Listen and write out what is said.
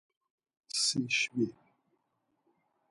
Si şvi.